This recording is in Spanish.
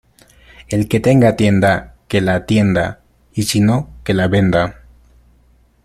El que tenga tienda que la atienda, y si no que la venda.